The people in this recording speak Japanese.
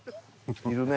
いるね。